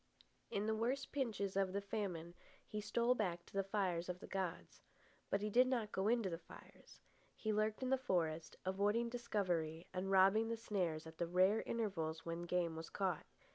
In the worst pinches of the famine he stole back to the fires of the gods. But he did not go into the fires. He lurked in the forest, avoiding discovery and robbing the snares at the rare intervals when game was caught.